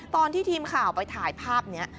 ตอนที่ทีมข่าวไปถ่ายภาพนี้